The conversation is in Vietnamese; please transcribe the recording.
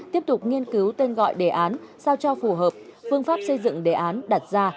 tiếp tục nghiên cứu tên gọi đề án sao cho phù hợp phương pháp xây dựng đề án đặt ra